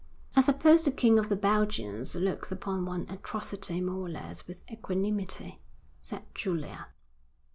'I suppose the King of the Belgians looks upon one atrocity more or less with equanimity,' said Julia.